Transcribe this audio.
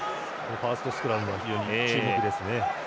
ファーストスクラム非常に注目ですね。